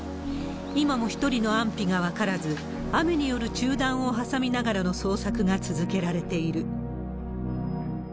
今も１人の安否が分からず、雨による中断を挟みながらの捜索が続けられている。